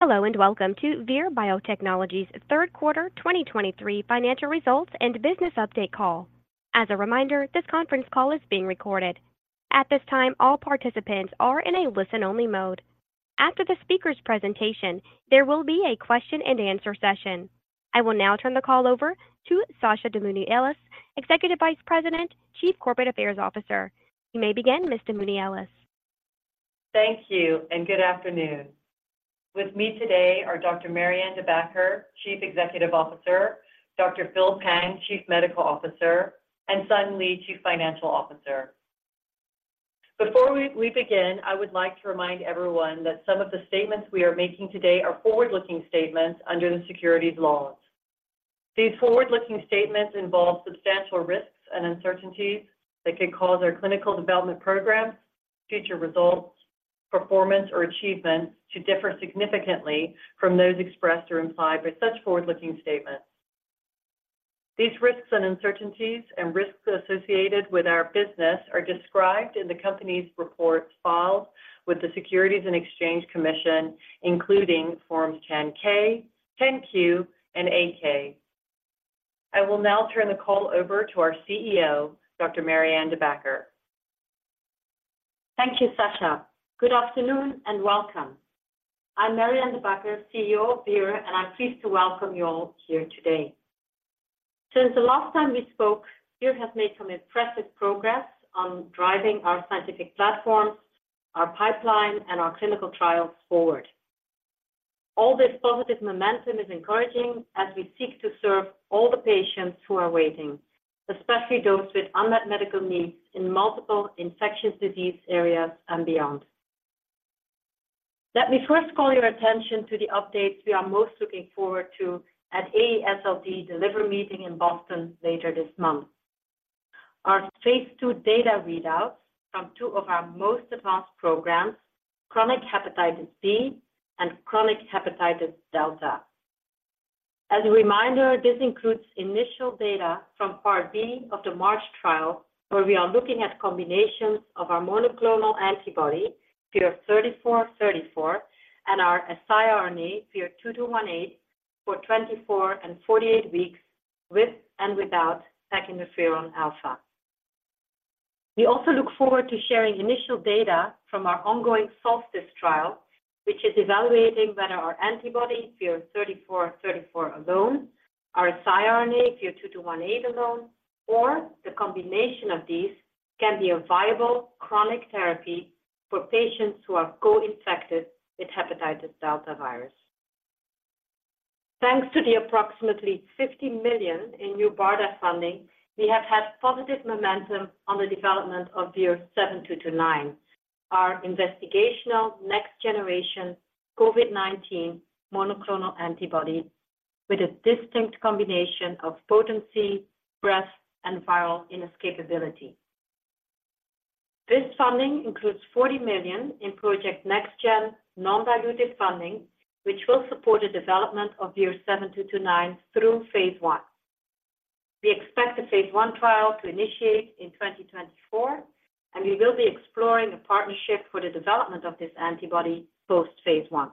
Hello, and welcome to Vir Biotechnology's third quarter 2023 financial results and business update call. As a reminder, this conference call is being recorded. At this time, all participants are in a listen-only mode. After the speaker's presentation, there will be a question-and-answer session. I will now turn the call over to Sasha Damouni Ellis, Executive Vice President, Chief Corporate Affairs Officer. You may begin, Ms. Damouni Ellis. Thank you, and good afternoon. With me today are Dr. Marianne De Backer, Chief Executive Officer; Dr. Phil Pang, Chief Medical Officer; and Sung Lee, Chief Financial Officer. Before we begin, I would like to remind everyone that some of the statements we are making today are forward-looking statements under the securities laws. These forward-looking statements involve substantial risks and uncertainties that could cause our clinical development programs, future results, performance, or achievements to differ significantly from those expressed or implied by such forward-looking statements. These risks and uncertainties and risks associated with our business are described in the company's reports filed with the Securities and Exchange Commission, including Forms 10-K, 10-Q, and 8-K. I will now turn the call over to our CEO, Dr. Marianne De Backer. Thank you, Sasha. Good afternoon, and welcome. I'm Marianne De Backer, CEO of Vir, and I'm pleased to welcome you all here today. Since the last time we spoke, Vir has made some impressive progress on driving our scientific platforms, our pipeline, and our clinical trials forward. All this positive momentum is encouraging as we seek to serve all the patients who are waiting, especially those with unmet medical needs in multiple infectious disease areas and beyond. Let me first call your attention to the updates we are most looking forward to at AASLD Liver Meeting in Boston later this month. Our phase two data readouts from two of our most advanced programs, chronic hepatitis B and chronic hepatitis delta. As a reminder, this includes initial data from part B of the March trial, where we are looking at combinations of our monoclonal antibody, VIR-3434, and our siRNA, VIR-2218, for 24 and 48 weeks, with and without peginterferon alfa. We also look forward to sharing initial data from our ongoing SOLSTICE trial, which is evaluating whether our antibody, VIR-3434 alone, our siRNA, VIR-2218 alone, or the combination of these can be a viable chronic therapy for patients who are co-infected with hepatitis delta virus. Thanks to the approximately $50 million in new BARDA funding, we have had positive momentum on the development of VIR-7229, our investigational next-generation COVID-19 monoclonal antibody with a distinct combination of potency, breadth, and viral inescapability. This funding includes $40 million in Project NextGen non-dilutive funding, which will support the development of VIR-7229 through phase 1. We expect the phase 1 trial to initiate in 2024, and we will be exploring a partnership for the development of this antibody post phase 1.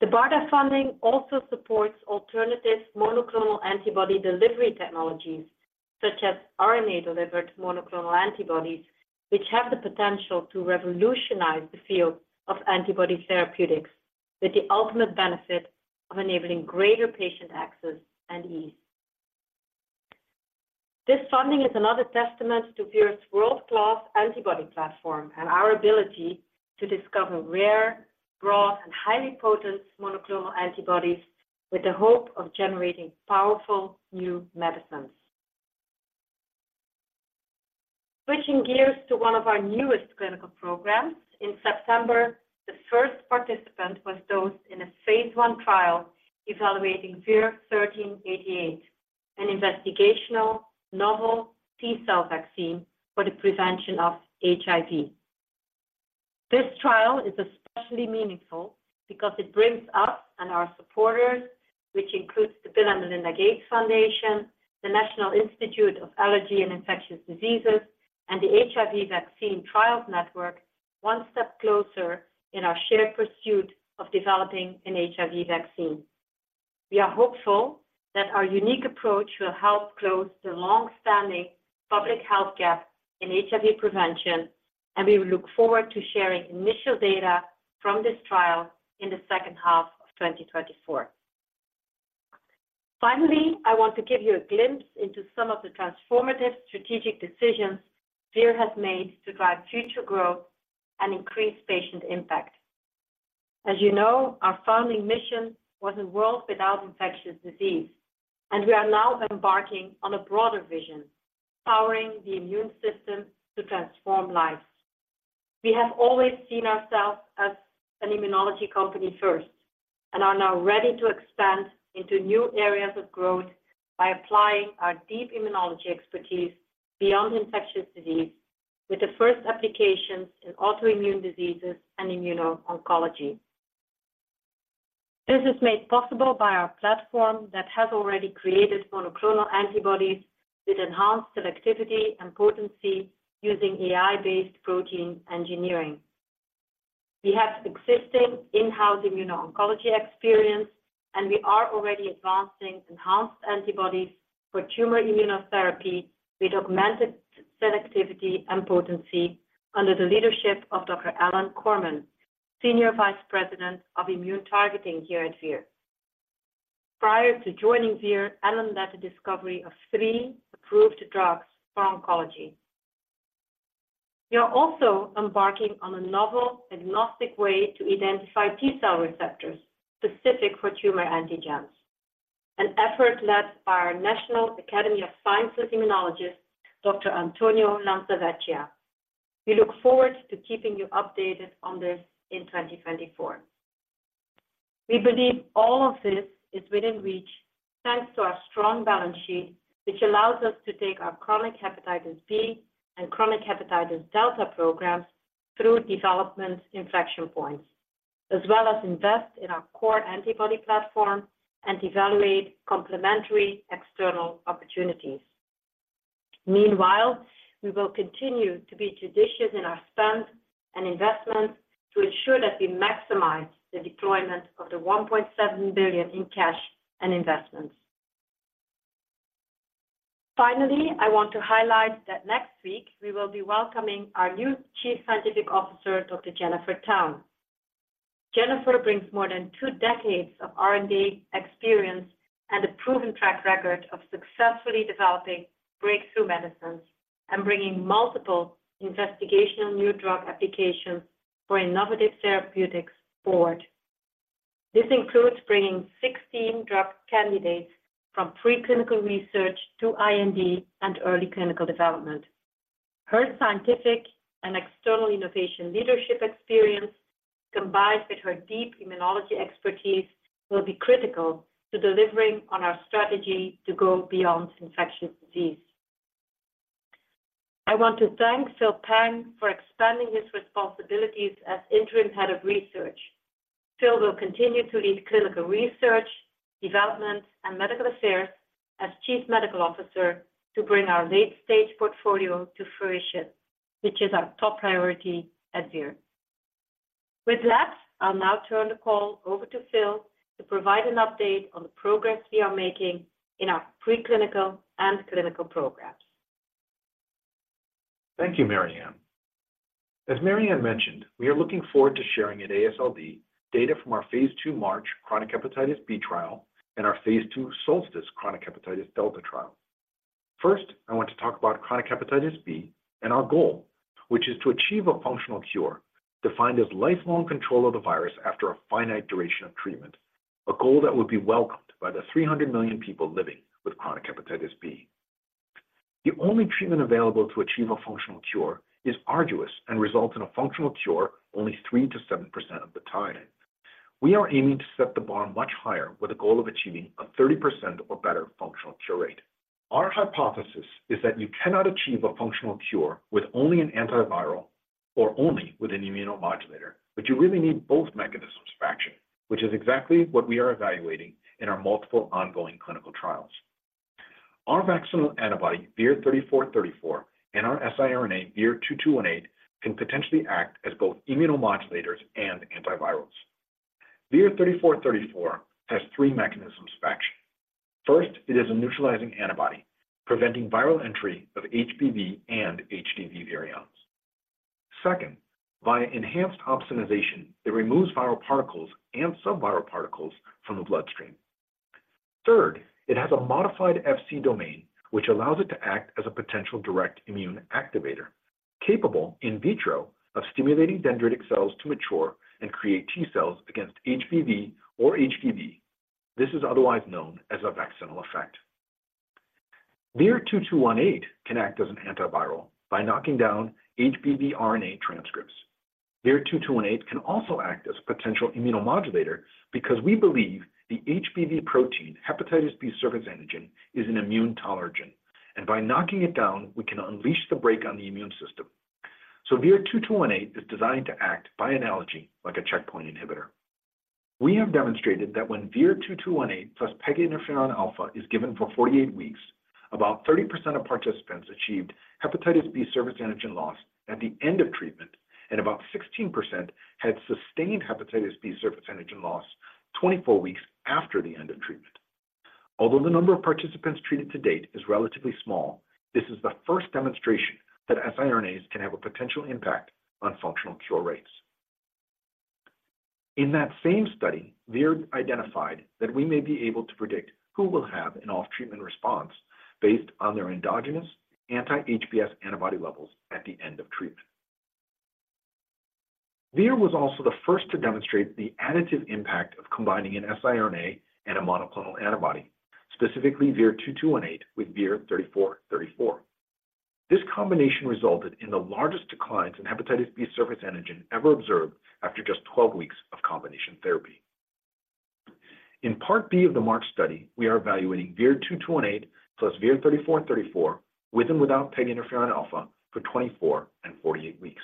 The BARDA funding also supports alternative monoclonal antibody delivery technologies, such as RNA-delivered monoclonal antibodies, which have the potential to revolutionize the field of antibody therapeutics, with the ultimate benefit of enabling greater patient access and ease. This funding is another testament to Vir's world-class antibody platform and our ability to discover rare, broad, and highly potent monoclonal antibodies with the hope of generating powerful new medicines. Switching gears to one of our newest clinical programs, in September, the first participant was dosed in a phase 1 trial evaluating VIR-1388, an investigational novel T-cell vaccine for the prevention of HIV. This trial is especially meaningful because it brings us and our supporters, which includes the Bill & Melinda Gates Foundation, the National Institute of Allergy and Infectious Diseases, and the HIV Vaccine Trials Network, one step closer in our shared pursuit of developing an HIV vaccine. We are hopeful that our unique approach will help close the long-standing public health gap in HIV prevention, and we look forward to sharing initial data from this trial in the second half of 2024. Finally, I want to give you a glimpse into some of the transformative strategic decisions Vir has made to drive future growth and increase patient impact. As you know, our founding mission was a world without infectious disease, and we are now embarking on a broader vision, powering the immune system to transform lives. We have always seen ourselves as an immunology company first and are now ready to expand into new areas of growth by applying our deep immunology expertise beyond infectious disease, with the first applications in autoimmune diseases and immuno-oncology.... This is made possible by our platform that has already created monoclonal antibodies with enhanced selectivity and potency using AI-based protein engineering. We have existing in-house immuno-oncology experience, and we are already advancing enhanced antibodies for tumor immunotherapy with augmented selectivity and potency under the leadership of Dr. Alan Korman, Senior Vice President of Immune Targeting here at Vir. Prior to joining Vir, Alan led the discovery of three approved drugs for oncology. We are also embarking on a novel agnostic way to identify T cell receptors specific for tumor antigens, an effort led by our National Academy of Sciences immunologist, Dr. Antonio Lanzavecchia. We look forward to keeping you updated on this in 2024. We believe all of this is within reach, thanks to our strong balance sheet, which allows us to take our chronic hepatitis B and chronic hepatitis delta programs through development inflection points, as well as invest in our core antibody platform and evaluate complementary external opportunities. Meanwhile, we will continue to be judicious in our spend and investments to ensure that we maximize the deployment of the $1.7 billion in cash and investments. Finally, I want to highlight that next week we will be welcoming our new Chief Scientific Officer, Dr. Jennifer Towne. Jennifer brings more than two decades of R&D experience and a proven track record of successfully developing breakthrough medicines and bringing multiple investigational new drug applications for innovative therapeutics forward. This includes bringing 16 drug candidates from preclinical research to IND and early clinical development. Her scientific and external innovation leadership experience, combined with her deep immunology expertise, will be critical to delivering on our strategy to go beyond infectious disease. I want to thank Phil Pang for expanding his responsibilities as Interim Head of Research. Phil will continue to lead clinical research, development, and medical affairs as Chief Medical Officer to bring our late-stage portfolio to fruition, which is our top priority at Vir. With that, I'll now turn the call over to Phil to provide an update on the progress we are making in our preclinical and clinical programs. Thank you, Marianne. As Marianne mentioned, we are looking forward to sharing at AASLD data from our phase II MARCH chronic hepatitis B trial and our phase II SOLSTICE chronic hepatitis delta trial. First, I want to talk about chronic hepatitis B and our goal, which is to achieve a functional cure, defined as lifelong control of the virus after a finite duration of treatment, a goal that would be welcomed by the 300 million people living with chronic hepatitis B. The only treatment available to achieve a functional cure is arduous and results in a functional cure only 3%-7% of the time. We are aiming to set the bar much higher with a goal of achieving a 30% or better functional cure rate. Our hypothesis is that you cannot achieve a functional cure with only an antiviral or only with an immunomodulator, but you really need both mechanisms of action, which is exactly what we are evaluating in our multiple ongoing clinical trials. Our vaccinal antibody, VIR-3434, and our siRNA, VIR-2218, can potentially act as both immunomodulators and antivirals. VIR-3434 has three mechanisms of action. First, it is a neutralizing antibody, preventing viral entry of HBV and HDV virions. Second, via enhanced opsonization, it removes viral particles and some viral particles from the bloodstream. Third, it has a modified Fc domain, which allows it to act as a potential direct immune activator, capable in vitro of stimulating dendritic cells to mature and create T cells against HBV or HBV. This is otherwise known as a vaccinal effect. VIR-2218 can act as an antiviral by knocking down HBV RNA transcripts. VIR-2218 can also act as a potential immunomodulator because we believe the HBV protein, hepatitis B surface antigen, is an immune tolerogen, and by knocking it down, we can unleash the brake on the immune system. So VIR-2218 is designed to act by analogy like a checkpoint inhibitor. We have demonstrated that when VIR-2218 plus peg interferon alpha is given for 48 weeks, about 30% of participants achieved hepatitis B surface antigen loss at the end of treatment, and about 16% had sustained hepatitis B surface antigen loss 24 weeks after the end of treatment. Although the number of participants treated to date is relatively small, this is the first demonstration that siRNAs can have a potential impact on functional cure rates. In that same study, Vir identified that we may be able to predict who will have an off-treatment response based on their endogenous anti-HBs antibody levels at the end of treatment. Vir was also the first to demonstrate the additive impact of combining an siRNA and a monoclonal antibody, specifically VIR-2218 with VIR-3434. This combination resulted in the largest declines in hepatitis B surface antigen ever observed after just 12 weeks of combination therapy. In part B of the March study, we are evaluating VIR-2218 plus VIR-3434 with and without peginterferon alpha for 24 and 48 weeks....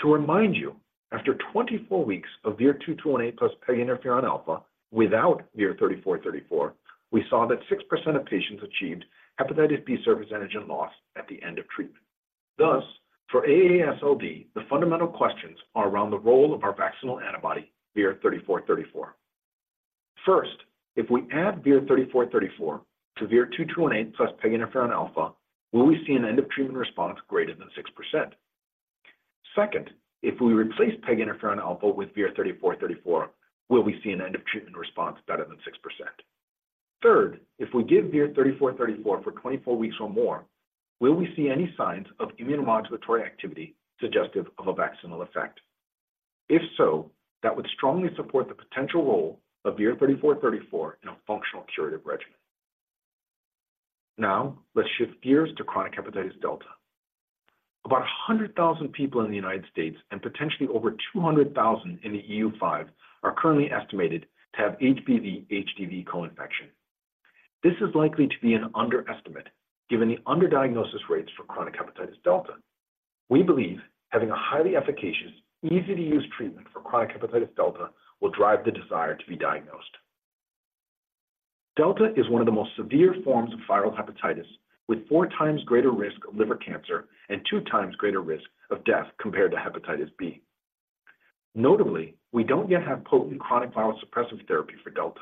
To remind you, after 24 weeks of VIR-2218 plus peginterferon alpha without VIR-3434, we saw that 6% of patients achieved hepatitis B surface antigen loss at the end of treatment. Thus, for AASLD, the fundamental questions are around the role of our vaccinal antibody, VIR-3434. First, if we add VIR-3434 to VIR-2218 plus peginterferon alpha, will we see an end-of-treatment response greater than 6%? Second, if we replace peginterferon alpha with VIR-3434, will we see an end-of-treatment response better than 6%? Third, if we give VIR-3434 for 24 weeks or more, will we see any signs of immunomodulatory activity suggestive of a vaccinal effect? If so, that would strongly support the potential role of VIR-3434 in a functional curative regimen. Now, let's shift gears to chronic hepatitis delta. About 100,000 people in the United States, and potentially over 200,000 in the EU5, are currently estimated to have HBV/HDV coinfection. This is likely to be an underestimate, given the underdiagnosis rates for chronic hepatitis delta. We believe having a highly efficacious, easy-to-use treatment for chronic hepatitis delta will drive the desire to be diagnosed. Delta is one of the most severe forms of viral hepatitis, with four times greater risk of liver cancer and two times greater risk of death compared to hepatitis B. Notably, we don't yet have potent chronic viral suppressive therapy for delta.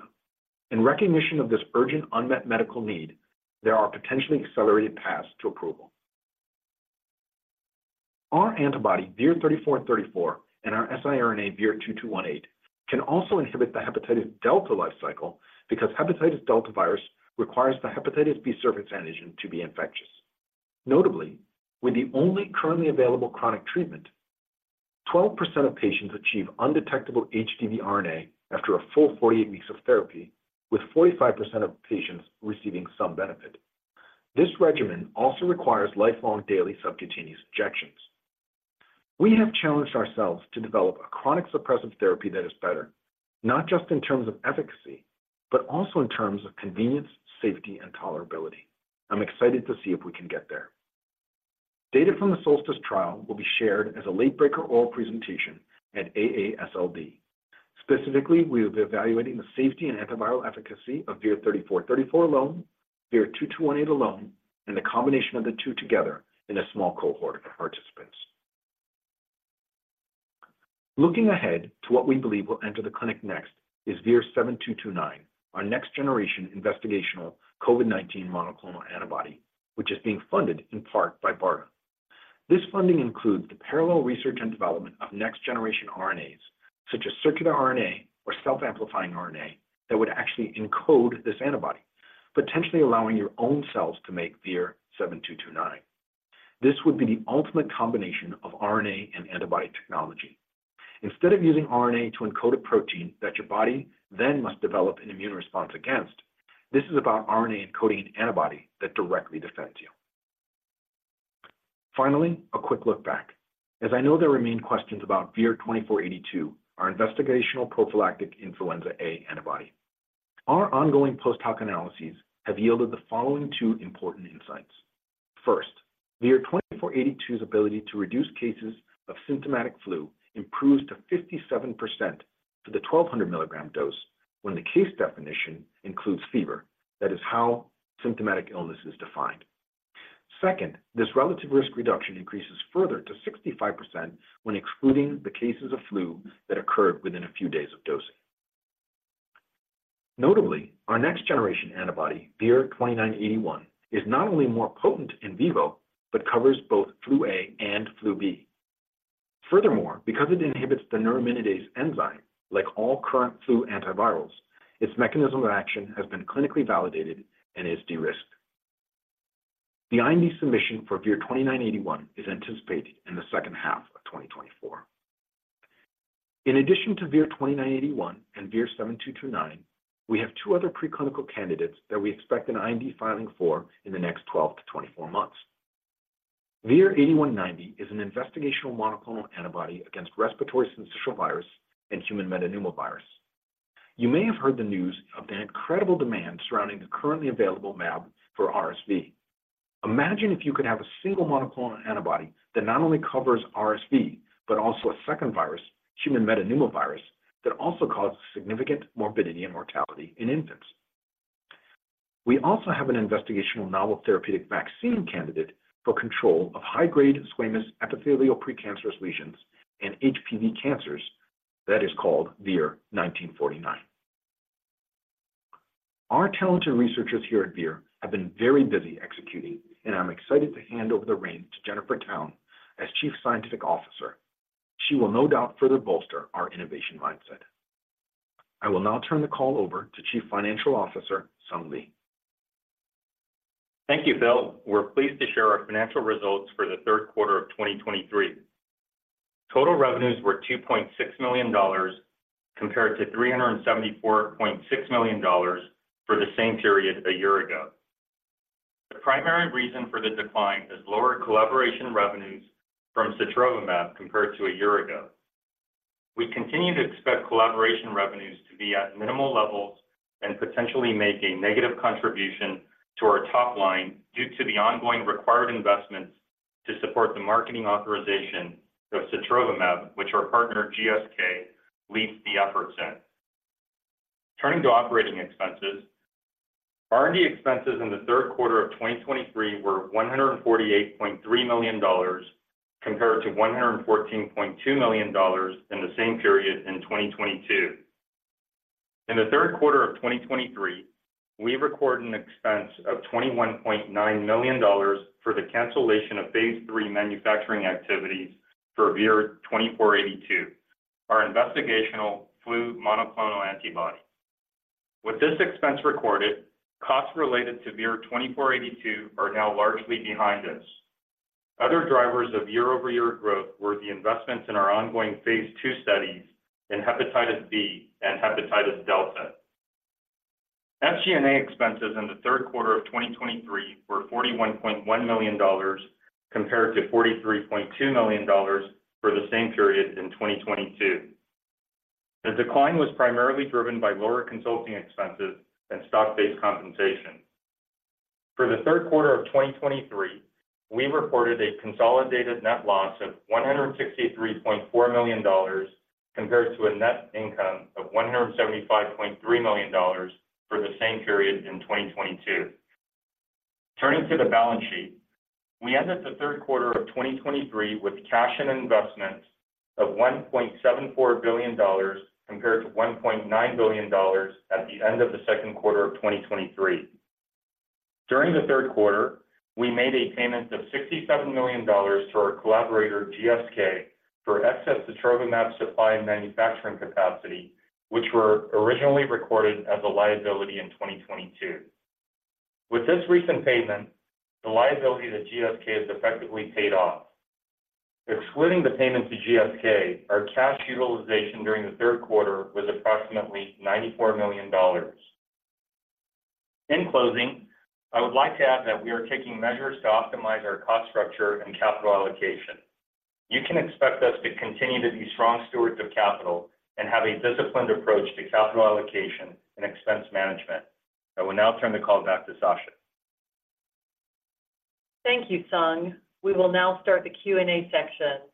In recognition of this urgent, unmet medical need, there are potentially accelerated paths to approval. Our antibody, VIR-3434, and our siRNA, VIR-2218, can also inhibit the hepatitis delta life cycle because hepatitis delta virus requires the hepatitis B surface antigen to be infectious. Notably, with the only currently available chronic treatment, 12% of patients achieve undetectable HDV RNA after a full 48 weeks of therapy, with 45% of patients receiving some benefit. This regimen also requires lifelong daily subcutaneous injections. We have challenged ourselves to develop a chronic suppressive therapy that is better, not just in terms of efficacy, but also in terms of convenience, safety, and tolerability. I'm excited to see if we can get there. Data from the Solstice trial will be shared as a late breaker oral presentation at AASLD. Specifically, we will be evaluating the safety and antiviral efficacy of VIR-3434 alone, VIR-2218 alone, and the combination of the two together in a small cohort of participants. Looking ahead to what we believe will enter the clinic next is VIR-7229, our next-generation investigational COVID-19 monoclonal antibody, which is being funded in part by BARDA. This funding includes the parallel research and development of next-generation RNAs, such as circular RNA or self-amplifying RNA, that would actually encode this antibody, potentially allowing your own cells to make VIR-7229. This would be the ultimate combination of RNA and antibody technology. Instead of using RNA to encode a protein that your body then must develop an immune response against, this is about RNA encoding antibody that directly defends you. Finally, a quick look back, as I know there remain questions about VIR-2482, our investigational prophylactic influenza A antibody. Our ongoing post-hoc analyses have yielded the following two important insights: First, VIR-2482's ability to reduce cases of symptomatic flu improves to 57% for the 1,200 mg dose when the case definition includes fever. That is how symptomatic illness is defined. Second, this relative risk reduction increases further to 65% when excluding the cases of flu that occurred within a few days of dosing. Notably, our next-generation antibody, VIR-2981, is not only more potent in vivo, but covers both flu A and flu B. Furthermore, because it inhibits the neuraminidase enzyme, like all current flu antivirals, its mechanism of action has been clinically validated and is de-risked. The IND submission for VIR-2981 is anticipated in the second half of 2024. In addition to VIR-2981 and VIR-7229, we have two other preclinical candidates that we expect an IND filing for in the next 12-24 months. VIR-8190 is an investigational monoclonal antibody against respiratory syncytial virus and human metapneumovirus. You may have heard the news of the incredible demand surrounding the currently available mAb for RSV. Imagine if you could have a single monoclonal antibody that not only covers RSV, but also a second virus, human metapneumovirus, that also causes significant morbidity and mortality in infants. We also have an investigational novel therapeutic vaccine candidate for control of high-grade squamous epithelial precancerous lesions and HPV cancers that is called VIR-1949. Our talented researchers here at VIR have been very busy executing, and I'm excited to hand over the reins to Jennifer Towne as Chief Scientific Officer. She will no doubt further bolster our innovation mindset. I will now turn the call over to Chief Financial Officer, Sung Lee. Thank you, Phil. We're pleased to share our financial results for the third quarter of 2023. Total revenues were $2.6 million, compared to $374.6 million for the same period a year ago. The primary reason for the decline is lower collaboration revenues from sotrovimab compared to a year ago.... We continue to expect collaboration revenues to be at minimal levels and potentially make a negative contribution to our top line due to the ongoing required investments to support the marketing authorization of sotrovimab, which our partner, GSK, leads the efforts in. Turning to operating expenses, R&D expenses in the third quarter of 2023 were $148.3 million, compared to $114.2 million in the same period in 2022. In the third quarter of 2023, we recorded an expense of $21.9 million for the cancellation of phase 3 manufacturing activities for VIR-2482, our investigational flu monoclonal antibody. With this expense recorded, costs related to VIR-2482 are now largely behind us. Other drivers of year-over-year growth were the investments in our ongoing phase 2 studies in hepatitis B and hepatitis delta. SG&A expenses in the third quarter of 2023 were $41.1 million, compared to $43.2 million for the same period in 2022. The decline was primarily driven by lower consulting expenses and stock-based compensation. For the third quarter of 2023, we reported a consolidated net loss of $163.4 million, compared to a net income of $175.3 million for the same period in 2022. Turning to the balance sheet, we ended the third quarter of 2023 with cash and investments of $1.74 billion, compared to $1.9 billion at the end of the second quarter of 2023. During the third quarter, we made a payment of $67 million to our collaborator, GSK, for excess sotrovimab supply and manufacturing capacity, which were originally recorded as a liability in 2022. With this recent payment, the liability that GSK has effectively paid off. Excluding the payment to GSK, our cash utilization during the third quarter was approximately $94 million. In closing, I would like to add that we are taking measures to optimize our cost structure and capital allocation. You can expect us to continue to be strong stewards of capital and have a disciplined approach to capital allocation and expense management. I will now turn the call back to Sasha. Thank you, Sung. We will now start the Q&A section.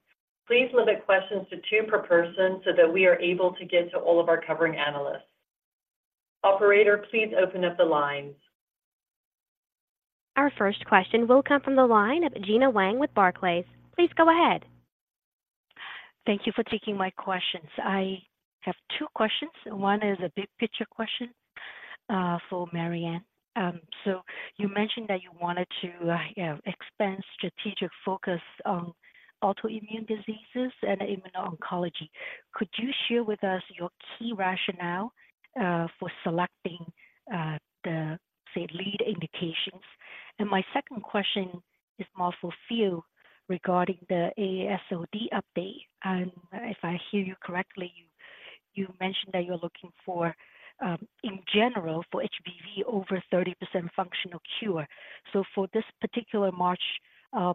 Please limit questions to two per person so that we are able to get to all of our covering analysts. Operator, please open up the lines. Our first question will come from the line of Gena Wang with Barclays. Please go ahead. Thank you for taking my questions. I have two questions. One is a big picture question, for Marianne. So you mentioned that you wanted to expand strategic focus on autoimmune diseases and immuno-oncology. Could you share with us your key rationale for selecting the, say, lead indications? And my second question is more for Phil regarding the AASLD update. And if I hear you correctly, you mentioned that you're looking for, in general, for HBV over 30% functional cure. So for this particular March,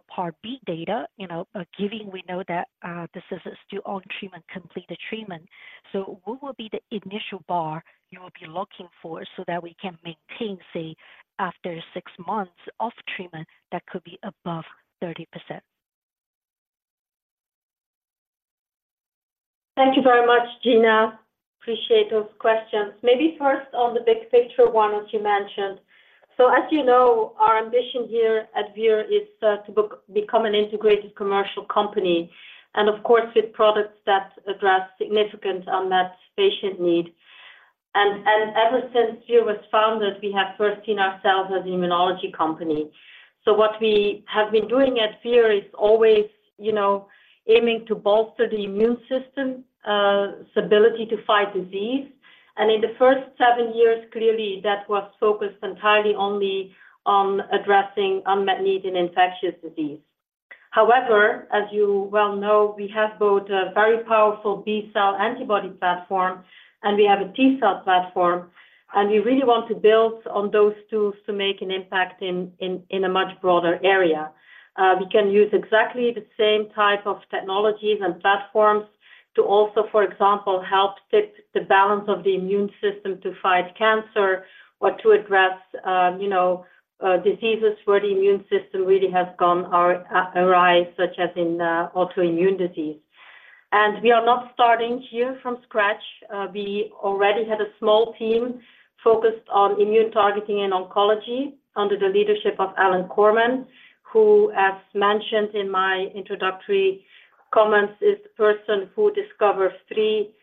Part B data, you know, given we know that this is still on treatment, completed treatment, so what will be the initial bar you will be looking for so that we can maintain, say, after six months of treatment, that could be above 30%? Thank you very much, Gina. Appreciate those questions. Maybe first on the big picture one, as you mentioned. So as you know, our ambition here at Vir is to become an integrated commercial company, and of course, with products that address significant unmet patient need. And ever since Vir was founded, we have first seen ourselves as an immunology company. So what we have been doing at Vir is always, you know, aiming to bolster the immune system's ability to fight disease. And in the first seven years, clearly, that was focused entirely only on addressing unmet need in infectious disease. However, as you well know, we have both a very powerful B cell antibody platform, and we have a T cell platform, and we really want to build on those tools to make an impact in a much broader area. We can use exactly the same type of technologies and platforms to also, for example, help tip the balance of the immune system to fight cancer or to address, you know, diseases where the immune system really has gone awry, such as in, autoimmune disease. We are not starting here from scratch. We already had a small team focused on immune targeting and oncology under the leadership of Alan Korman, who, as mentioned in my introductory comments, is the person who discovered three,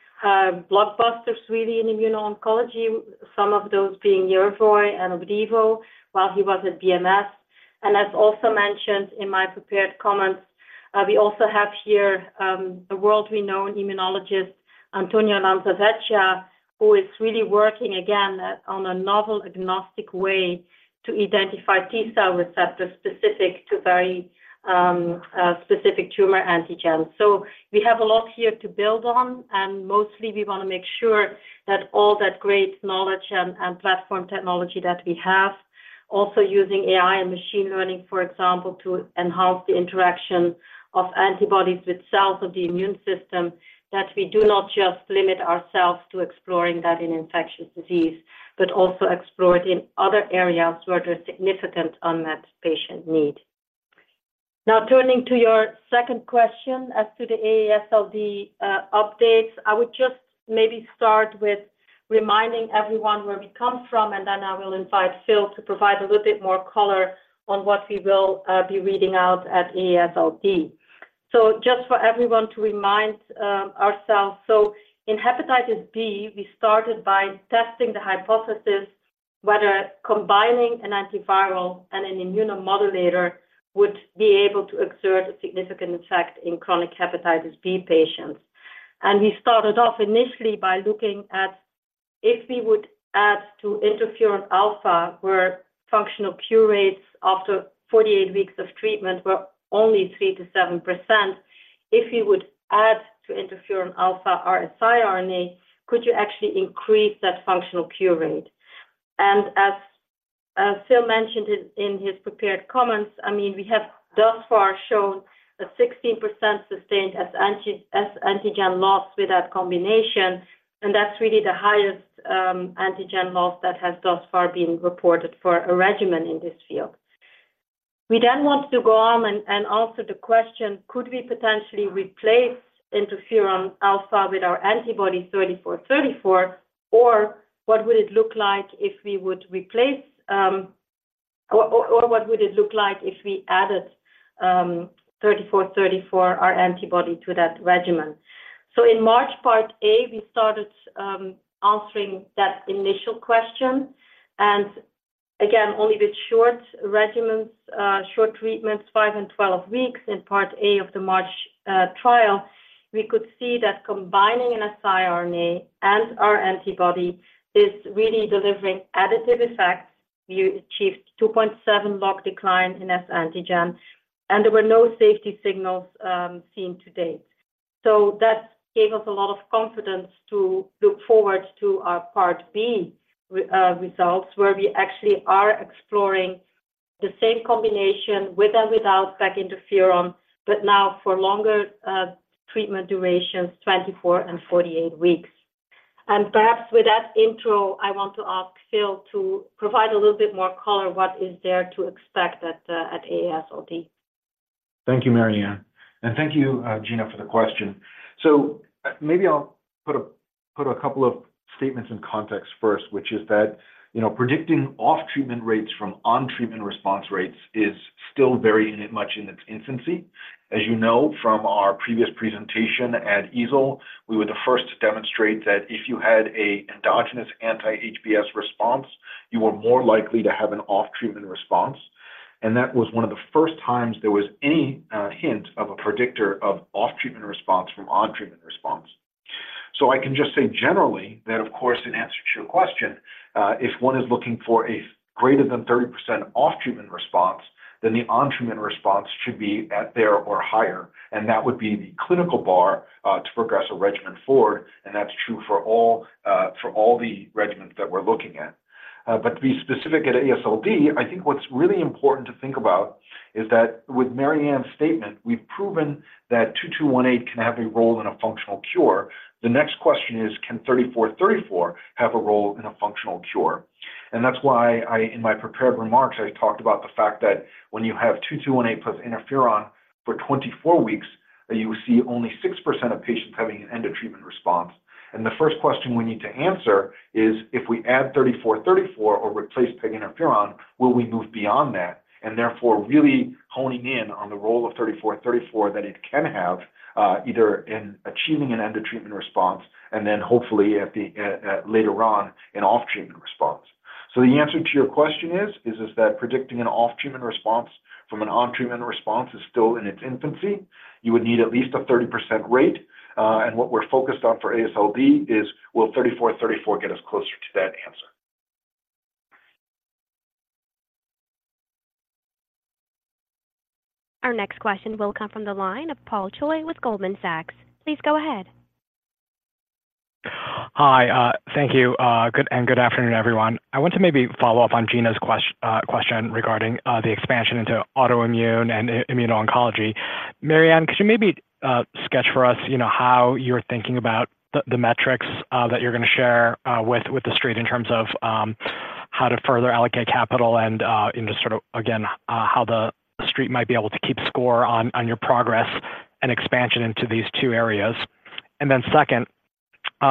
blockbusters, really, in immuno-oncology, some of those being Yervoy and Opdivo, while he was at BMS. As also mentioned in my prepared comments, we also have here, a world renowned immunologist, Antonio Lanzavecchia, who is really working again on a novel agnostic way to identify T cell receptors specific to very, specific tumor antigens. So we have a lot here to build on, and mostly we want to make sure that all that great knowledge and platform technology that we have. Also using AI and machine learning, for example, to enhance the interaction of antibodies with cells of the immune system, that we do not just limit ourselves to exploring that in infectious disease, but also explore it in other areas where there's significant unmet patient need. Now, turning to your second question as to the AASLD updates, I would just maybe start with reminding everyone where we come from, and then I will invite Phil to provide a little bit more color on what we will be reading out at AASLD. So just for everyone to remind ourselves. So in hepatitis B, we started by testing the hypothesis, whether combining an antiviral and an immunomodulator would be able to exert a significant effect in chronic hepatitis B patients. And we started off initially by looking at if we would add to interferon alpha, where functional cure rates after 48 weeks of treatment were only 3%-7%. If we would add to interferon alpha or siRNA, could you actually increase that functional cure rate? And as Phil mentioned in his prepared comments, I mean, we have thus far shown a 16% sustained HBsAg loss with that combination, and that's really the highest antigen loss that has thus far been reported for a regimen in this field. We then want to go on and answer the question: Could we potentially replace interferon alpha with our antibody VIR-3434, or what would it look like if we would replace. Or what would it look like if we added VIR-3434, our antibody, to that regimen? So in March, part A, we started answering that initial question, and again, only with short regimens, short treatments, 5 and 12 weeks. In part A of the March trial, we could see that combining an siRNA and our antibody is really delivering additive effects. We achieved 2.7 log decline in S antigen, and there were no safety signals seen to date. So that gave us a lot of confidence to look forward to our part B results, where we actually are exploring the same combination with or without peginterferon, but now for longer treatment durations, 24 and 48 weeks. And perhaps with that intro, I want to ask Phil to provide a little bit more color, what is there to expect at the AASLD? Thank you, Marianne, and thank you, Gina, for the question. So maybe I'll put a couple of statements in context first, which is that, you know, predicting off-treatment rates from on-treatment response rates is still very much in its infancy. As you know from our previous presentation at EASL, we were the first to demonstrate that if you had an endogenous anti-HBs response, you were more likely to have an off-treatment response, and that was one of the first times there was any hint of a predictor of off-treatment response from on-treatment response. So I can just say generally that, of course, in answer to your question, if one is looking for a greater than 30% off-treatment response, then the on-treatment response should be at there or higher, and that would be the clinical bar to progress a regimen forward, and that's true for all, for all the regimens that we're looking at. But to be specific, at AASLD, I think what's really important to think about is that with Marianne's statement, we've proven that 2218 can have a role in a functional cure. The next question is: Can 3434 have a role in a functional cure? And that's why I, in my prepared remarks, I talked about the fact that when you have 2218 plus interferon for 24 weeks, you see only 6% of patients having an end-of-treatment response. And the first question we need to answer is: If we add VIR-3434 or replace peg interferon, will we move beyond that? And therefore, really honing in on the role of VIR-3434 that it can have, either in achieving an end-of-treatment response and then hopefully at the later on, an off-treatment response. So the answer to your question is that predicting an off-treatment response from an on-treatment response is still in its infancy. You would need at least a 30% rate, and what we're focused on for AASLD is, will VIR-3434 get us closer to that answer? Our next question will come from the line of Paul Choi with Goldman Sachs. Please go ahead. Hi. Thank you, and good afternoon, everyone. I want to maybe follow up on Gina's question regarding the expansion into autoimmune and immuno-oncology. Marianne, could you maybe sketch for us, you know, how you're thinking about the metrics that you're going to share with The Street in terms of how to further allocate capital and, you know, sort of again, how The Street might be able to keep score on your progress and expansion into these two areas? And then second,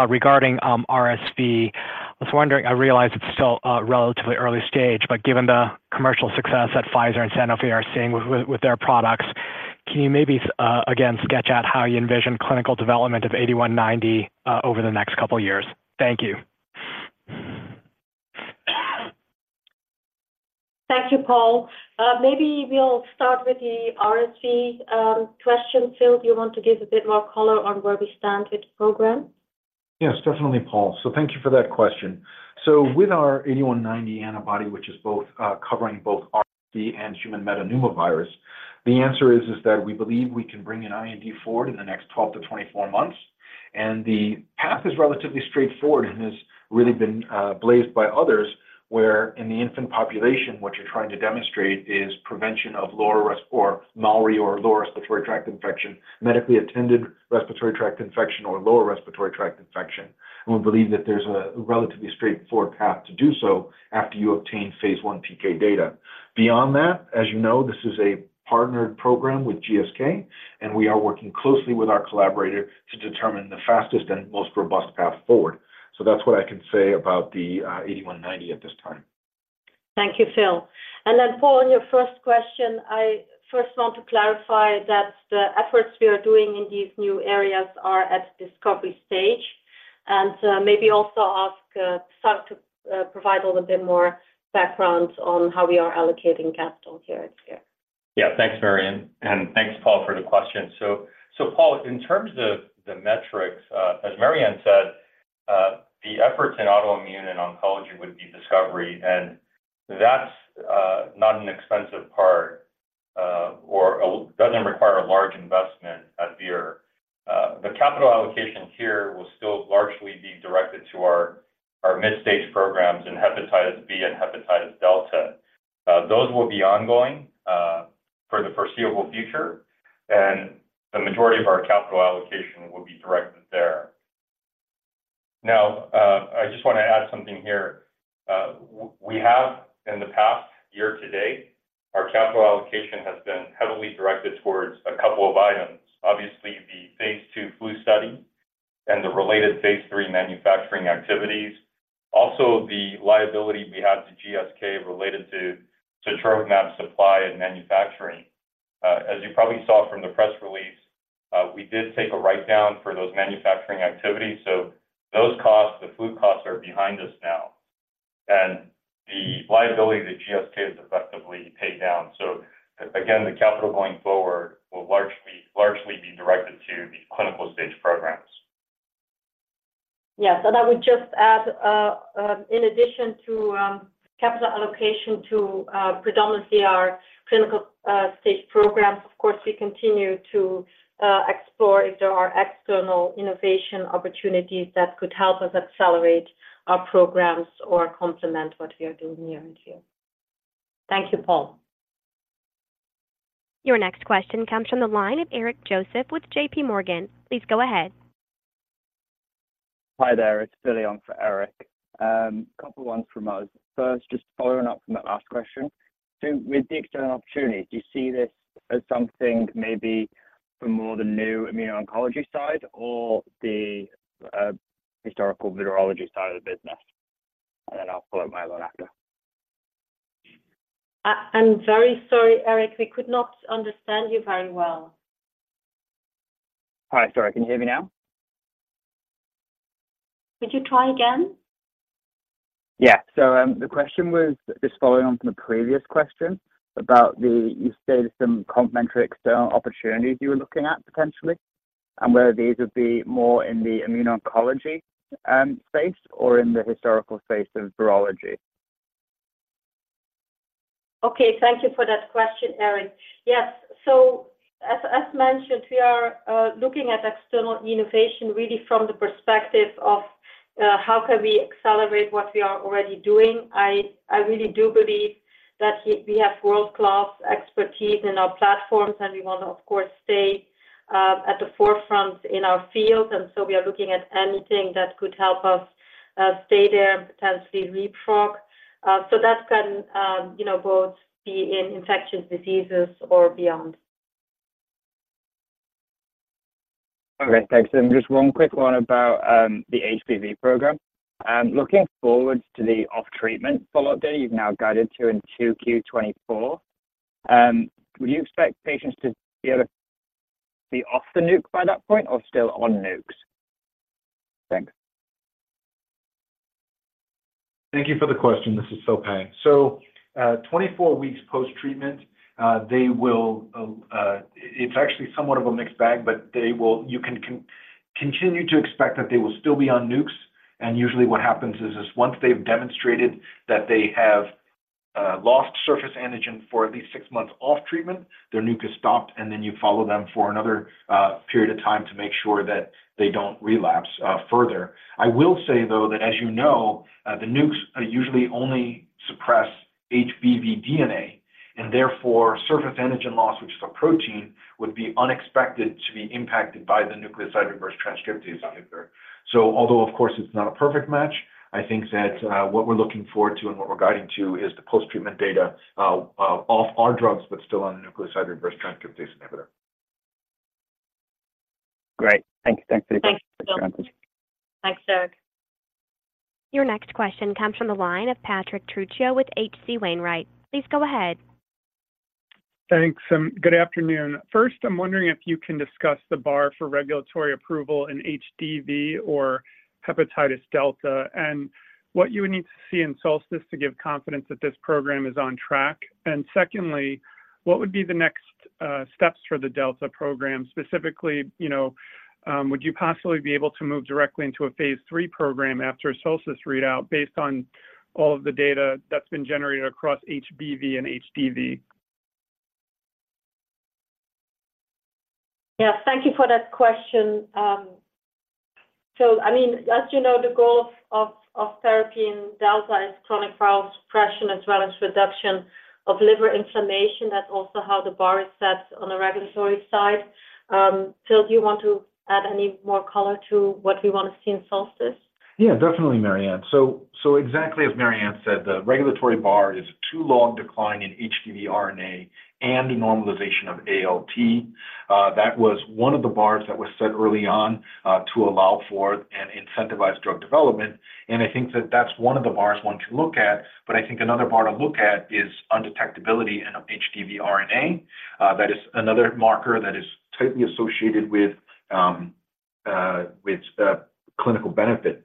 regarding RSV, I was wondering. I realize it's still relatively early stage, but given the commercial success that Pfizer and Sanofi are seeing with their products, can you maybe again sketch out how you envision clinical development of 8190 over the next couple of years? Thank you. Thank you, Paul. Maybe we'll start with the RSV question. Phil, do you want to give a bit more color on where we stand with the program? Yes, definitely, Paul. So thank you for that question. So with our 8190 antibody, which is both, covering both RSV and human metapneumovirus, the answer is, is that we believe we can bring an IND forward in the next 12-24 months. And the path is relatively straightforward and has really been blazed by others, where in the infant population, what you're trying to demonstrate is prevention of lower respiratory tract infection, medically attended respiratory tract infection, or lower respiratory tract infection. And we believe that there's a relatively straightforward path to do so after you obtain phase 1 PK data. Beyond that, as you know, this is a partnered program with GSK, and we are working closely with our collaborator to determine the fastest and most robust path forward. That's what I can say about the 8190 at this time. Thank you, Phil. And then, Paul, on your first question, I first want to clarify that the efforts we are doing in these new areas are at discovery stage. And, maybe also ask Sasha to provide a little bit more background on how we are allocating capital here and here. Yeah. Thanks, Marianne, and thanks, Paul, for the question. So, so Paul, in terms of the metrics, as Marianne said, the efforts in autoimmune and oncology would be discovery, and that's not an expensive part or doesn't require a large investment at Vir. The capital allocations here will still largely be directed to our mid-stage programs in hepatitis B and hepatitis delta. Those will be ongoing for the foreseeable future, and the majority of our capital allocation will be directed there. Now, I just want to add something here. We have in the past year to date, our capital allocation has been heavily directed towards a couple of items. Obviously, the phase two flu study and the related phase three manufacturing activities. Also, the liability we had to GSK related to sotrovimab supply and manufacturing. As you probably saw from the press release, we did take a write-down for those manufacturing activities, so those costs, the flu costs, are behind us now, and the liability that GSK has effectively paid down. So again, the capital going forward will largely, largely be directed to the clinical stage programs. Yeah. So I would just add, in addition to capital allocation to predominantly our clinical stage programs, of course, we continue to explore if there are external innovation opportunities that could help us accelerate our programs or complement what we are doing here and here. Thank you, Paul. Your next question comes from the line of Eric Joseph with J.P. Morgan. Please go ahead. Hi there, it's Billy on for Eric. A couple ones from us. First, just following up from that last question. So with the external opportunity, do you see this as something maybe from more the new immuno oncology side or the historical virology side of the business? And then I'll follow up my other after. I'm very sorry, Eric, we could not understand you very well. Hi, sorry. Can you hear me now? Could you try again? Yeah. So, the question was just following on from the previous question about the... You stated some complementary external opportunities you were looking at potentially, and whether these would be more in the immune oncology space or in the historical space of virology. Okay. Thank you for that question, Eric. Yes. So as mentioned, we are looking at external innovation, really from the perspective of how can we accelerate what we are already doing. I really do believe that we have world-class expertise in our platforms, and we want to, of course, stay at the forefront in our field, and so we are looking at anything that could help us stay there, potentially leapfrog. So that can, you know, both be in infectious diseases or beyond. Okay, thanks. Just one quick one about the HBV program. Looking forward to the off-treatment follow-up date you've now guided to in 2Q 2024, would you expect patients to be able to be off the nuke by that point or still on nukes? Thanks. Thank you for the question. This is [Phil Pang]. So, 24 weeks post-treatment, they will... It's actually somewhat of a mixed bag, but they will, you can continue to expect that they will still be on nukes, and usually what happens is, once they've demonstrated that they have lost surface antigen for at least six months off treatment, their nuke is stopped, and then you follow them for another period of time to make sure that they don't relapse further. I will say, though, that as you know, the nukes usually only suppress HBV DNA, and therefore, surface antigen loss, which is a protein, would be unexpected to be impacted by the nucleoside reverse transcriptase inhibitor. Although, of course, it's not a perfect match, I think that what we're looking forward to and what we're guiding to is the post-treatment data off our drugs, but still on the nucleoside reverse transcriptase inhibitor. Great. Thanks. Thanks very much. Thanks. Thanks, Eric. Your next question comes from the line of Patrick Trucchio with H.C. Wainwright. Please go ahead. Thanks, good afternoon. First, I'm wondering if you can discuss the bar for regulatory approval in HDV or hepatitis delta, and what you would need to see in SOLSTICE to give confidence that this program is on track. And secondly, what would be the next steps for the delta program? Specifically, you know, would you possibly be able to move directly into a phase 3 program after a SOLSTICE readout based on all of the data that's been generated across HBV and HDV? Yeah, thank you for that question. So I mean, as you know, the goal of therapy in delta is chronic viral suppression, as well as reduction of liver inflammation. That's also how the bar is set on the regulatory side. Phil, do you want to add any more color to what we want to see in SOLSTICE? Yeah, definitely, Marianne. So, exactly as Marianne said, the regulatory bar is a two-log decline in HDV RNA and the normalization of ALT. That was one of the bars that was set early on, to allow for and incentivize drug development. And I think that that's one of the bars one can look at. But I think another bar to look at is undetectability in HDV RNA. That is another marker that is tightly associated with clinical benefit.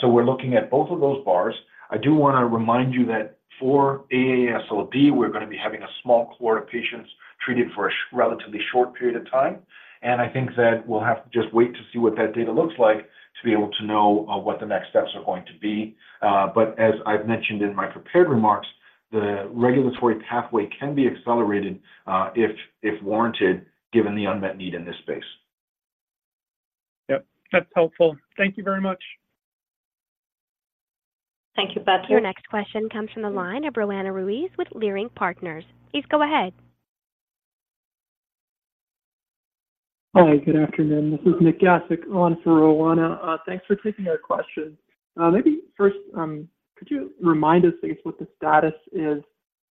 So we're looking at both of those bars. I do want to remind you that for AASLD, we're going to be having a small cohort of patients treated for a relatively short period of time. I think that we'll have to just wait to see what that data looks like, to be able to know what the next steps are going to be. But as I've mentioned in my prepared remarks, the regulatory pathway can be accelerated, if, if warranted, given the unmet need in this space. Yep, that's helpful. Thank you very much. Thank you, Patrick. Your next question comes from the line of Roanna Ruiz with Leerink Partners. Please go ahead. Hi, good afternoon. This is Nik Gasic on for Roanna. Thanks for taking our question. Maybe first, could you remind us, I guess, what the status is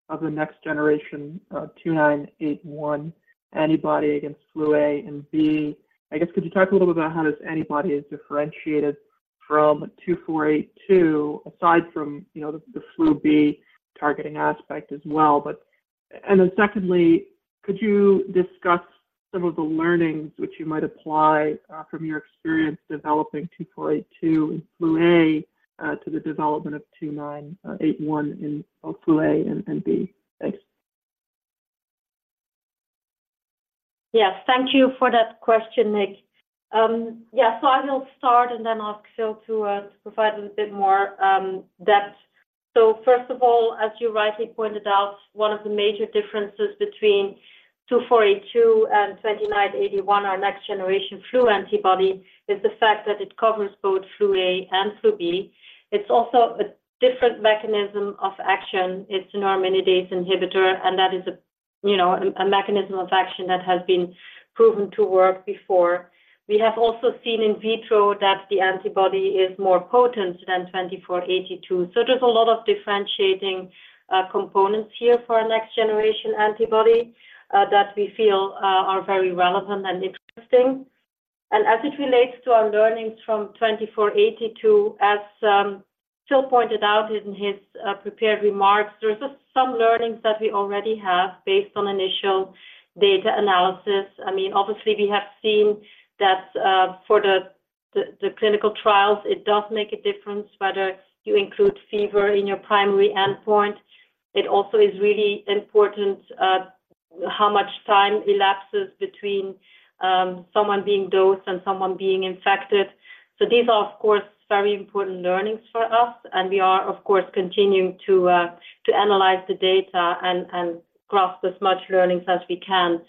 of the next generation of 2981 antibody against flu A and B? I guess, could you talk a little bit about how this antibody is differentiated from 2482, aside from, you know, the flu B targeting aspect as well? And then secondly, could you discuss some of the learnings which you might apply from your experience developing 2482 in flu A to the development of 2981 in both flu A and B? Thanks. Yes, thank you for that question, Nick. Yeah, so I will start and then ask Phil to provide a little bit more depth. So first of all, as you rightly pointed out, one of the major differences between 2482 and 2981, our next generation flu antibody, is the fact that it covers both flu A and flu B. It's also a different mechanism of action. It's a neuraminidase inhibitor, and that is a, you know, a mechanism of action that has been proven to work before. We have also seen in vitro that the antibody is more potent than 2482. So there's a lot of differentiating components here for our next generation antibody that we feel are very relevant and interesting. As it relates to our learnings from VIR-2482, as Phil pointed out in his prepared remarks, there are just some learnings that we already have based on initial data analysis. I mean, obviously, we have seen that, for the clinical trials, it does make a difference whether you include fever in your primary endpoint. It also is really important, how much time elapses between, someone being dosed and someone being infected. So these are, of course, very important learnings for us, and we are, of course, continuing to analyze the data and grasp as much learnings as we can,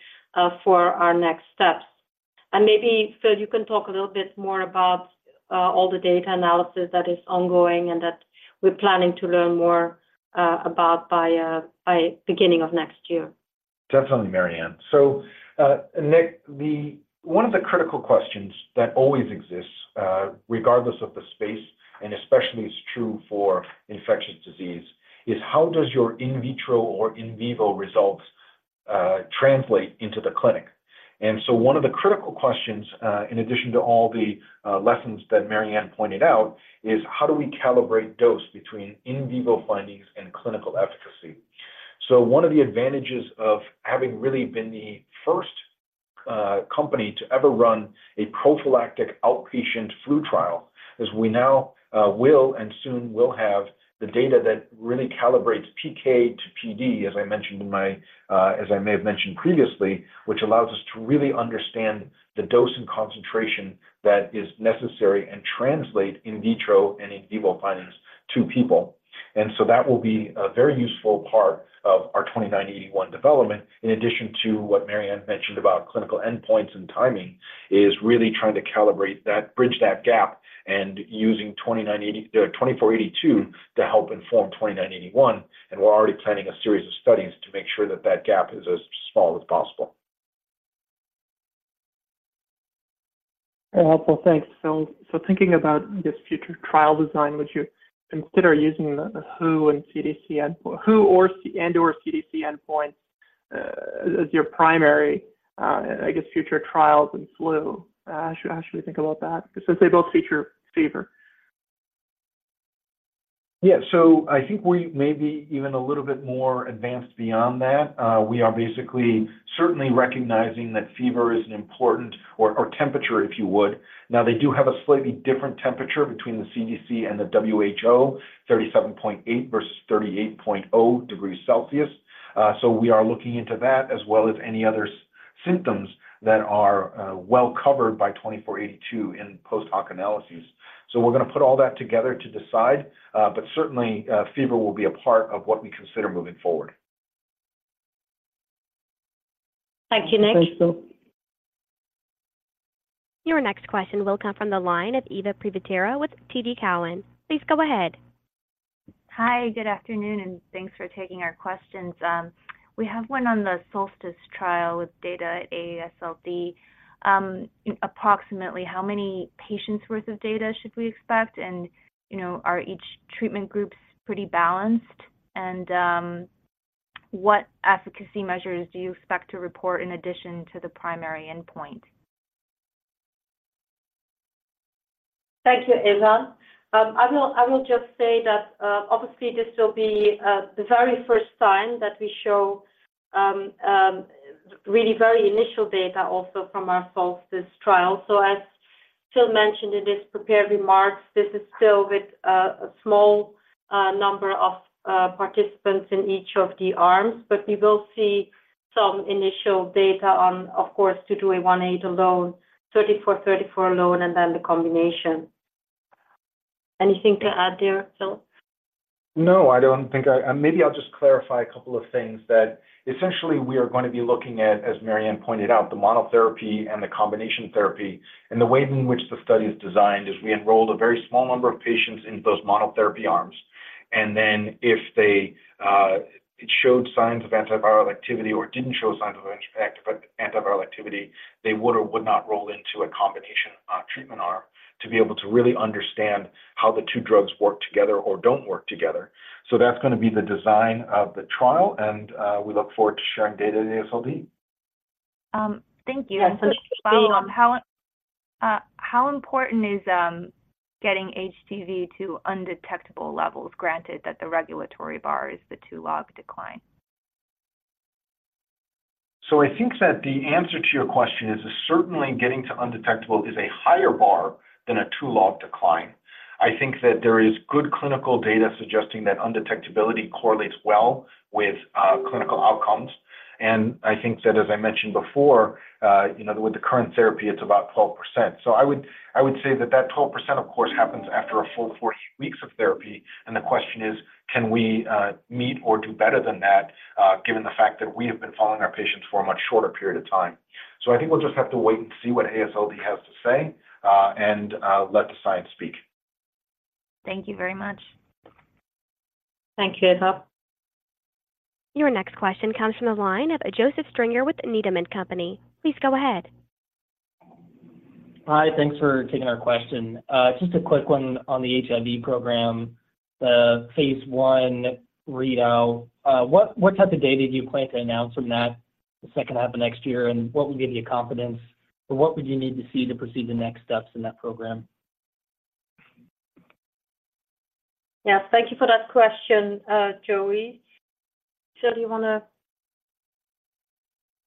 for our next steps. Maybe, Phil, you can talk a little bit more about all the data analysis that is ongoing and that we're planning to learn more about by beginning of next year. Definitely, Marianne. So, Nick, one of the critical questions that always exists, regardless of the space, and especially it's true for infectious disease, is how does your in vitro or in vivo results translate into the clinic? And so one of the critical questions, in addition to all the lessons that Marianne pointed out, is how do we calibrate dose between in vivo findings and clinical efficacy? So one of the advantages of having really been the first company to ever run a prophylactic outpatient flu trial, is we now will and soon will have the data that really calibrates PK to PD, as I mentioned in my, as I may have mentioned previously, which allows us to really understand the dose and concentration that is necessary and translate in vitro and in vivo findings to people. So that will be a very useful part of our 2981 development, in addition to what Marianne mentioned about clinical endpoints and timing, is really trying to calibrate that, bridge that gap and using 2981... 2482 to help inform 2981. We're already planning a series of studies to make sure that that gap is as small as possible. Very helpful. Thanks, Phil. So thinking about this future trial design, would you consider using the WHO and CDC endpoint, WHO or C, and/or CDC endpoint, as your primary, I guess, future trials in flu? How should, how should we think about that? Since they both feature fever. Yeah. So I think we may be even a little bit more advanced beyond that. We are basically certainly recognizing that fever is an important, or temperature, if you would. Now, they do have a slightly different temperature between the CDC and the WHO, 37.8 versus 38.0 degrees Celsius. So we are looking into that as well as any other symptoms that are well covered by 2482 in post-hoc analyses. So we're gonna put all that together to decide, but certainly, fever will be a part of what we consider moving forward. Thank you, Nick. Thanks, Phil. Your next question will come from the line of Eva Privitera with TD Cowen. Please go ahead. Hi, good afternoon, and thanks for taking our questions. We have one on the SOLSTICE trial with data AASLD. Approximately how many patients' worth of data should we expect? And, you know, are each treatment groups pretty balanced? And, what efficacy measures do you expect to report in addition to the primary endpoint? Thank you, Eva. I will, I will just say that, obviously, this will be, the very first time that we show, really very initial data also from our SOLSTICE trial. So as Phil mentioned in his prepared remarks, this is still with a, a small, number of, participants in each of the arms. But you will see some initial data on, of course, VIR-2218 alone, VIR-3434 alone, and then the combination. Anything to add there, Phil? No, I don't think I... Maybe I'll just clarify a couple of things, that essentially, we are going to be looking at, as Marianne pointed out, the monotherapy and the combination therapy. The way in which the study is designed is we enrolled a very small number of patients in those monotherapy arms, and then if they, it showed signs of antiviral activity or didn't show signs of antiviral activity, they would or would not roll into a combination treatment arm to be able to really understand how the two drugs work together or don't work together. So that's gonna be the design of the trial, and we look forward to sharing data at AASLD. Thank you. Yes, thank you. Just to follow up, how important is getting HCV to undetectable levels, granted that the regulatory bar is the two-log decline? So I think that the answer to your question is, certainly getting to undetectable is a higher bar than a two-log decline. I think that there is good clinical data suggesting that undetectability correlates well with clinical outcomes. And I think that, as I mentioned before, you know, with the current therapy, it's about 12%. So I would say that that 12%, of course, happens after a full 14 weeks of therapy, and the question is, can we meet or do better than that, given the fact that we have been following our patients for a much shorter period of time? So I think we'll just have to wait and see what AASLD has to say, and let the science speak. Thank you very much. Thank you, Eva. Your next question comes from the line of Joseph Stringer with Needham & Company. Please go ahead. Hi, thanks for taking our question. Just a quick one on the HIV program, the phase 1 readout. What, what type of data do you plan to announce from that, the second half of next year? And what would give you confidence, or what would you need to see to proceed the next steps in that program? Yes, thank you for that question, Joey. Phil, do you wanna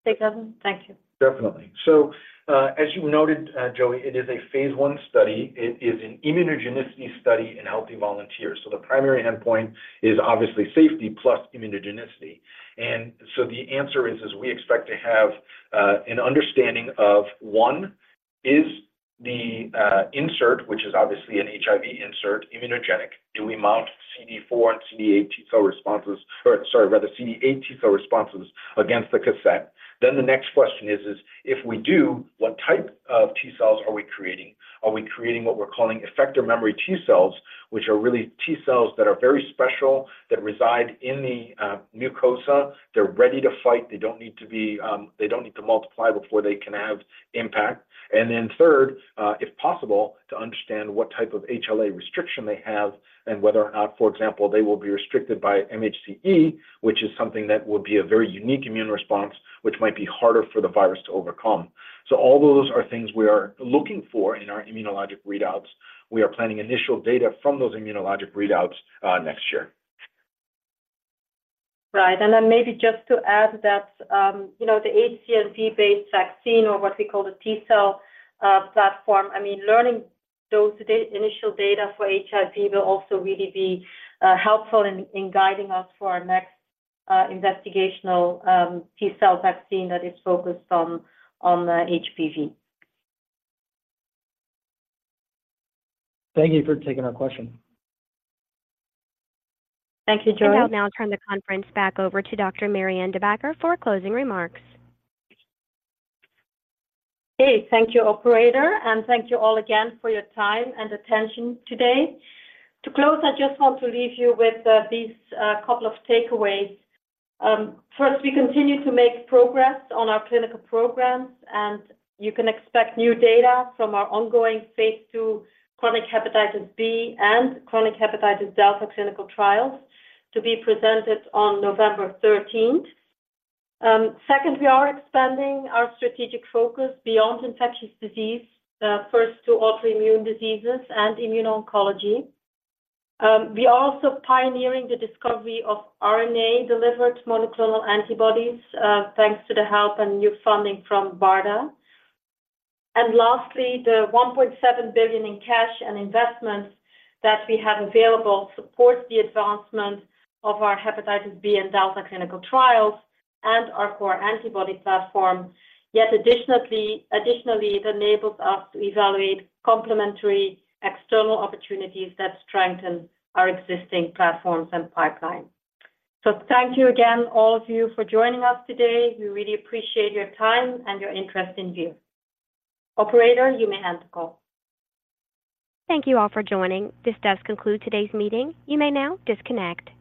take that one? Thank you. Definitely. So, as you noted, Joey, it is a phase 1 study. It is an immunogenicity study in healthy volunteers. So the primary endpoint is obviously safety plus immunogenicity. And so the answer is, we expect to have an understanding of, one, is the insert, which is obviously an HIV insert, immunogenic? Do we mount CD4 and CD8 T cell responses, or sorry, rather, CD8 T cell responses against the cassette? Then the next question is, if we do, what type of T cells are we creating? Are we creating what we're calling effector memory T cells, which are really T cells that are very special, that reside in the mucosa? They're ready to fight. They don't need to be, they don't need to multiply before they can have impact. And then third, if possible, to understand what type of HLA restriction they have and whether or not, for example, they will be restricted by MHC-E, which is something that would be a very unique immune response, which might be harder for the virus to overcome. So all those are things we are looking for in our immunologic readouts. We are planning initial data from those immunologic readouts, next year. Right. And then maybe just to add that, you know, the HCMV-based vaccine or what we call the T cell platform, I mean, learning those initial data for HIV will also really be helpful in guiding us for our next investigational T cell vaccine that is focused on HPV. Thank you for taking our question. Thank you, Joey. I will now turn the conference back over to Dr. Marianne De Backer for closing remarks. Okay, thank you, operator, and thank you all again for your time and attention today. To close, I just want to leave you with these couple of takeaways. First, we continue to make progress on our clinical programs, and you can expect new data from our ongoing phase 2 chronic hepatitis B and chronic hepatitis delta clinical trials to be presented on November thirteenth. Second, we are expanding our strategic focus beyond infectious disease, first to autoimmune diseases and immune oncology. We are also pioneering the discovery of RNA-delivered monoclonal antibodies, thanks to the help and new funding from BARDA. And lastly, the $1.7 billion in cash and investments that we have available supports the advancement of our hepatitis B and delta clinical trials and our core antibody platform. Yet additionally, it enables us to evaluate complementary external opportunities that strengthen our existing platforms and pipeline. So thank you again, all of you, for joining us today. We really appreciate your time and your interest in Vir. Operator, you may end the call. Thank you all for joining. This does conclude today's meeting. You may now disconnect.